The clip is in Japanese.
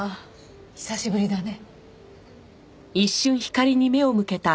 久しぶりだね。